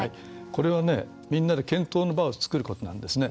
これはみんなで検討の場を作ることなんですね。